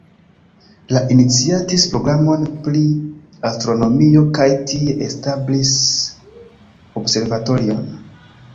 Li iniciatis programon pri astronomio kaj tie establis observatorion.